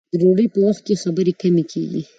د ډوډۍ په وخت کې خبرې کمې کیږي.